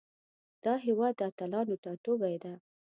دا هیواد د اتلانو ټاټوبی ده.